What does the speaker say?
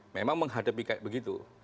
memang menghadapi kayak begitu